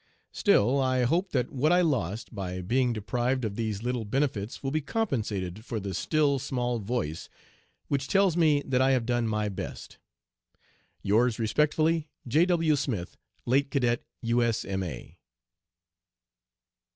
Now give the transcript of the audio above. Still, I hope that what I lost (?) by being deprived of these little benefits will be compensated for the 'still small voice,' which tells me that I have done my best. "Yours respectfully, "J. W. SMITH, "Late Cadet U.S.M.A."